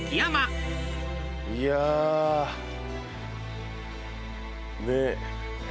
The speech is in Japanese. いやあねえ。